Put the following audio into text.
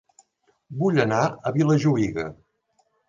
Vull anar a Vilajuïga